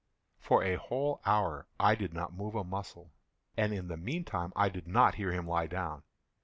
For a whole hour I did not move a muscle, and in the meantime I did not hear him lie down.